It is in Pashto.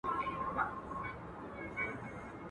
په دوو بېړيو کي پښې مه ايږده.